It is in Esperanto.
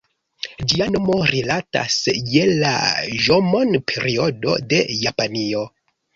Ĝia nomo rilatas je la ĵomon-periodo de Japanio.